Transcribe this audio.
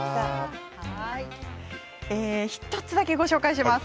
１つだけご紹介します。